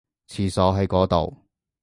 廁所喺嗰度